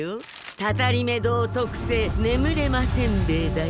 たたりめ堂特製眠れませんべいだよ。